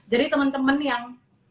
jadi teman teman yang